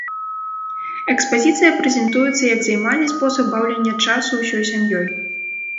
Экспазіцыя прэзентуецца як займальны спосаб баўлення часу ўсёй сям'ёй.